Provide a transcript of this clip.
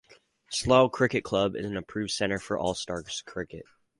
Slough Cricket club is an approved center for All Stars Cricket.